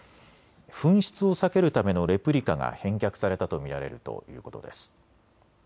紛失を避けるためのレプリカが返却されたと見られるということです。